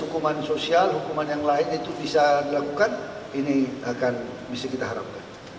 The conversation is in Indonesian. hukuman sosial hukuman yang lain itu bisa dilakukan ini akan bisa kita harapkan